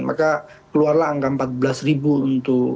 maka keluarlah angka empat belas untuk